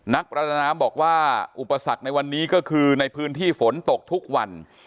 นักประดาน้ำบอกว่าอุปสรรคในวันนี้ก็คือในพื้นที่ฝนตกทุกวัน